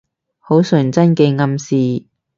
好純真嘅暗示